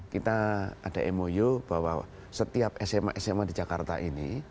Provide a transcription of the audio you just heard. kita ada mou bahwa setiap sma sma di jakarta ini